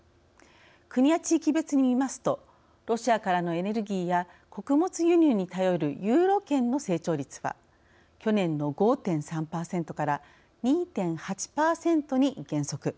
国や地域別に見ますとロシアからのエネルギーや穀物輸入に頼るユーロ圏の成長率は去年の５．３％から２．８％に減速。